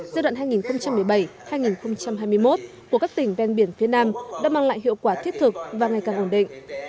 giai đoạn hai nghìn một mươi bảy hai nghìn hai mươi một của các tỉnh ven biển phía nam đã mang lại hiệu quả thiết thực và ngày càng ổn định